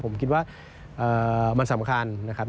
ผมคิดว่ามันสำคัญนะครับ